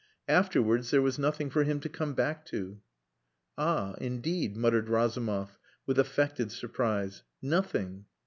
Afterwards there was nothing for him to come back to." "Ah! indeed," muttered Razumov, with affected surprise. "Nothing!"